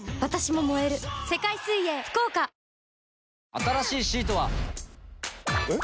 新しいシートは。えっ？